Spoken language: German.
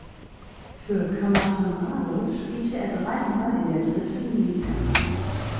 Für Kamatamare spielte er dreimal in der dritten Liga.